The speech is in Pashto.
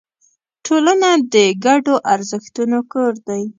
ټولنه د ګډو ارزښتونو کور دی.